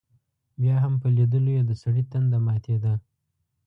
بیا هم په لیدلو یې دسړي تنده ماتېده.